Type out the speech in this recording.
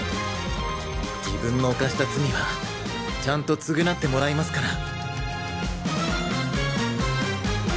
自分の犯した罪はちゃんと償ってもらいますから。